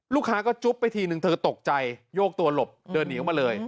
ลูกค้าก็จุ๊บไปทีนึงเธอตกใจโยกตัวหลบเดินหนีออกมาเลย